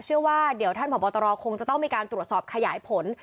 เชื่อว่าเดี๋ยวท่านผอบตรคงจะต้องมีการตรวจสอบขยายผล